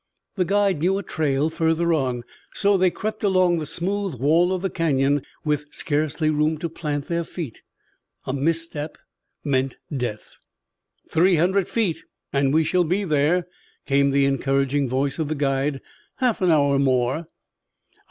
The guide knew a trail further on, so they crept along the smooth wall of the Canyon with scarcely room to plant their feet. A misstep meant death. "Three hundred feet and we shall be there," came the encouraging voice of the guide. "Half an hour more."